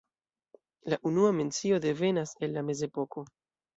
La unua mencio devenas el la mezepoko.